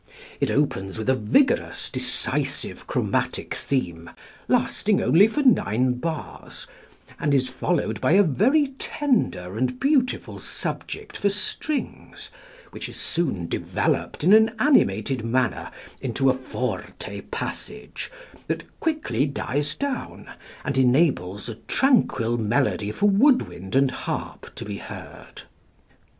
It opens with a vigorous, decisive chromatic theme lasting only for nine bars, and is followed by a very tender and beautiful subject for strings, which is soon developed, in an animated manner, into a forte passage, that quickly dies down and enables a tranquil melody for wood wind and harp to be heard.